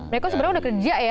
mereka sebenarnya udah kerja ya